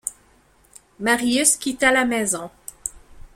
Marius quitta la maison.